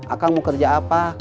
akang mau kerja apa